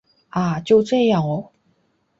啊！就这样喔